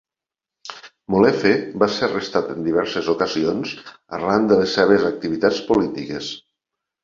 Molefe va ser arrestat en diverses ocasions arran de les seves activitats polítiques.